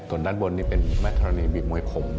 ส่วนด้านบนนี่เป็นแมทธรณีบีบมวยผม